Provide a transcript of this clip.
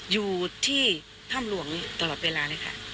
อยู่ที่ถ้ำหลวงตลอดเวลาเลยค่ะ